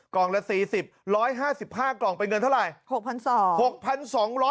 กล่องละ๔๐ล้อย๕๕กล่องเป็นเงินเท่าไหร่